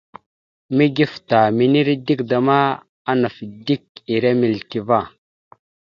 Mige afta minire dik da ma, anaf dik ire milite ava.